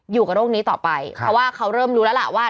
อยู่กับโรคนี้ต่อไปเพราะว่าเขาเริ่มรู้แล้วล่ะว่า